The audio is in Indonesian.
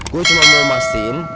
gue cuma mau memastikan